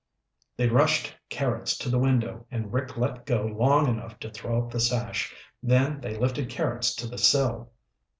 They rushed Carrots to the window and Rick let go long enough to throw up the sash. Then they lifted Carrots to the sill.